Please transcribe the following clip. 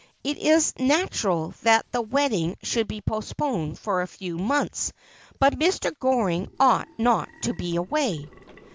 It is natural that the wedding should be postponed for a few months ; but Mr. Goring ought not to be away.'